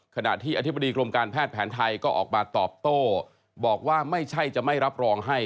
ขณะที่อธิบดีกรมการแพทย์แผนไทยก็ออกมาตอบโต้บอกว่าไม่ใช่จะไม่รับรองให้